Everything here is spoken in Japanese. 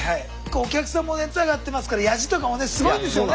お客さんも熱上がってますからヤジとかもねすごいんですよね。